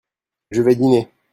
Je vais dîner.